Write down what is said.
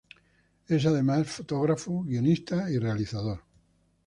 Es, además, fotógrafo, guionista y realizador.